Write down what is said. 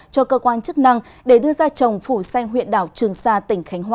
cho cơ quan chức năng để đưa ra trồng phủ xanh huyện đảo trường sa tỉnh khánh hòa